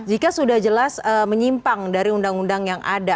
jika sudah jelas menyimpang dari undang undang yang ada